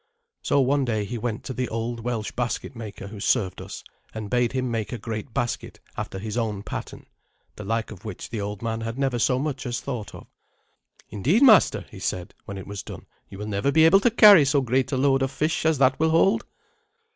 So one day he went to the old Welsh basket maker who served us, and bade him make a great basket after his own pattern, the like of which the old man had never so much as thought of. "Indeed, master," he said, when it was done, "you will never be able to carry so great a load of fish as that will hold."